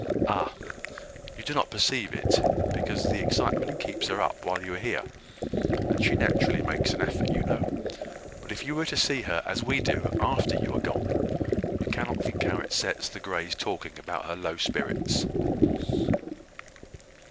Ah! you do not perceive it, because the excitement keeps her up while you are here; and she naturally makes an effort, you know. But if you were to see her as we do after you are gone; you cannot think how it sets the Greys talking about her low spirits."